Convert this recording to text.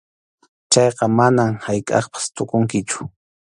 Chayqa manam haykʼappas tukunkichu.